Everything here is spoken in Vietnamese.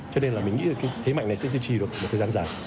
cho nên là mình nghĩ thế mạnh này sẽ duy trì được một thời gian dài